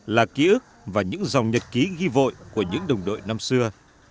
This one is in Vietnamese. là ký ức và những dòng nhật ký ghi vội của những đồng đội năm xưa